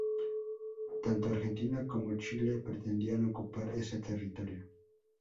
Tanto Argentina como Chile pretendían ocupar ese territorio.